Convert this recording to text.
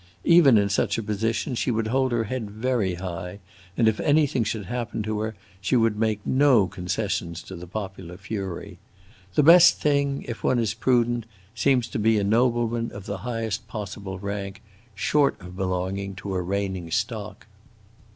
Even in such a position she would hold her head very high, and if anything should happen to her, she would make no concessions to the popular fury. The best thing, if one is prudent, seems to be a nobleman of the highest possible rank, short of belonging to a reigning stock.